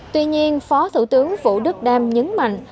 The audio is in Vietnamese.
tuy nhiên phó thủ tướng vũ đức đam nhấn mạnh